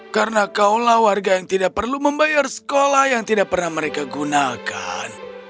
karena kaulah warga yang tidak perlu membayar sekolah yang tidak pernah mereka gunakan